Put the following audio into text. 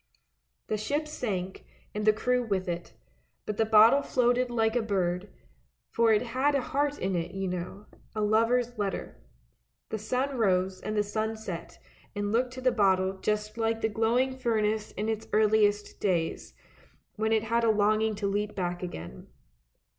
The ship sank, and the crew with it, but the bottle floated like a bird, for it had a heart in it you know — a lover's letter. The sun rose and the sun set and looked to the bottle just like the glowing furnace in its earliest days, when it had a longing to leap back again.